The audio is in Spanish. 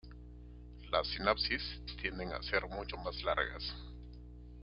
Las sinapsis tienden a ser mucho más largas.